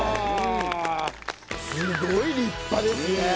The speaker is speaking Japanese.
すごい立派ですね。